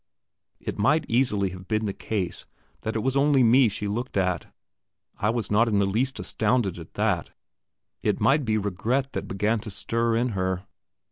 It might easily have been the case that it was only me she looked at; I was not in the least astounded at that; it might be regret that began to stir in her.